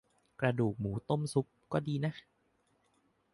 กระดูกหมูต้มซุป ก็ดีนะ